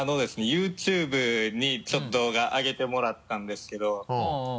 ＹｏｕＴｕｂｅにちょっと動画あげてもらったんですけど。